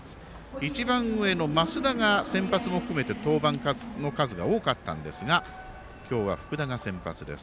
一番上の増田が先発も含めて登板の数が多かったんですが今日は福田が先発です。